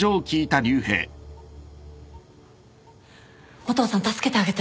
お父さん助けてあげて。